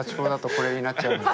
これになっちゃうんで。